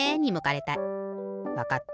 わかった。